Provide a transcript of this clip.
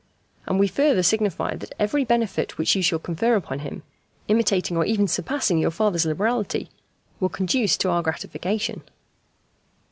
And We further signify that every benefit which you shall confer upon him, imitating or even surpassing your father's liberality, will conduce to Our gratification."